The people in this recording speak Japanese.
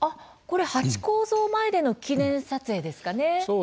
ハチ公像前での記念撮影ですかね。